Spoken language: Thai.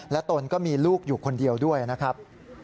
และตนก็มีลูกอยู่คนเดียวด้วยนะครับ